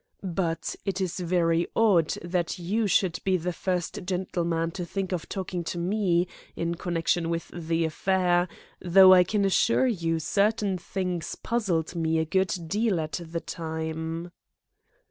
"But it is very odd that you should be the first gentleman to think of talking to me in connection with the affair, though I can assure you certain things puzzled me a good deal at the time."